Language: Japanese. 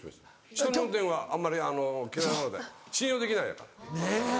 人の運転はあんまり嫌いなので信用できないから。